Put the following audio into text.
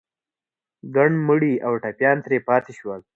ګڼ مړي او ټپيان ترې پاتې شول.